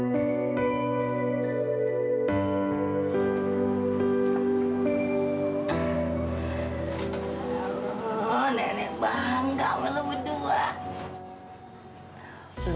nenek bangga sama lo berdua